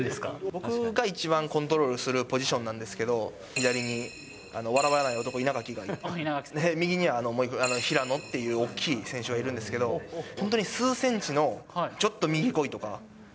僕が一番コントロールするポジションなんですけど、左に笑わない男、稲垣がいて、右には平野っていう大きい選手がいるんですけど、本当に数センチのちょっと右来いとか。